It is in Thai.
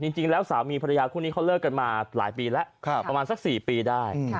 จริงแล้วสามีภรรยาคู่นี้เขาเลิกกันมาหลายปีแล้วประมาณสัก๔ปีได้